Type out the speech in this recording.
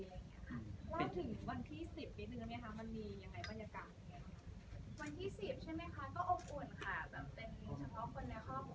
ว่าถึงวันที่สิบนิดนึงมันมียังไงบรรยากรรม